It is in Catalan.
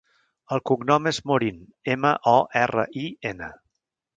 El cognom és Morin: ema, o, erra, i, ena.